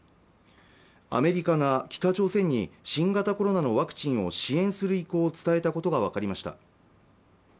アメリカが北朝鮮に新型コロナのワクチンを支援する意向を伝えたことが分かりました